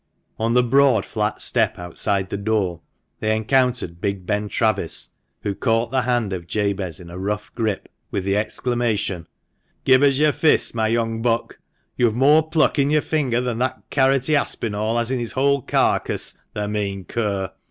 On the broad flat step outside the door they encountered big Ben Travis, who caught the hand of Jabez in a rough grip, with the exclamation, " Give us your fist, my young buck ! You've more pluck in your finger than that carroty Aspinall has in his whole carcase, the mean cur!